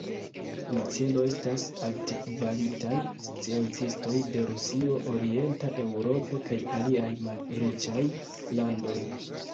La celo estas altkvalitaj sciencistoj de Rusio, orienta Eŭropo kaj aliaj malriĉaj landoj.